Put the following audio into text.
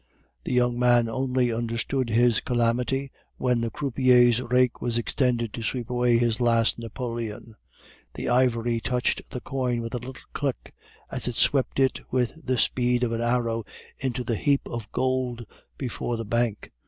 The young man only understood his calamity when the croupiers's rake was extended to sweep away his last napoleon. The ivory touched the coin with a little click, as it swept it with the speed of an arrow into the heap of gold before the bank.